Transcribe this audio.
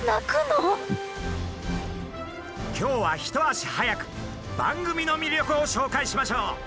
今日は一足早く番組の魅力を紹介しましょう！